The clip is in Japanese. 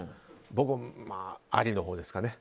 僕はありのほうですかね。